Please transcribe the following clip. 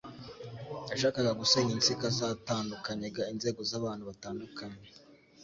Yashakaga gusenya insika zatandukanyaga inzego z’abantu batandukanye,